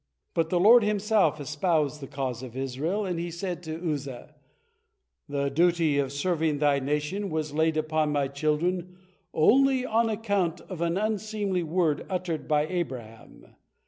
But the Lord Himself espoused the cause of Israel, and He said to Uzza: "The duty of serving thy nation was laid upon My children only on account of an unseemly word uttered by Abraham.